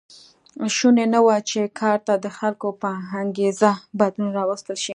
شونې نه وه چې کار ته د خلکو په انګېزه بدلون راوستل شي.